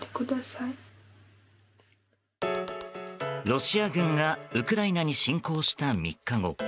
ロシア軍がウクライナに侵攻した３日後。